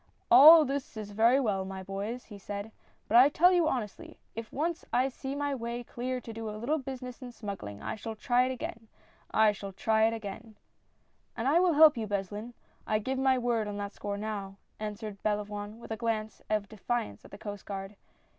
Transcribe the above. " All this is very well, my boys," he said, " but I tell you honestly if once I see my way clear to do a little business in smuggling, I shall try it again ! I shall try it again I "" And I will help you, Beslin — I give you my word on that score now," answered Belavoine, with a glance of defiance at the Coast Guard.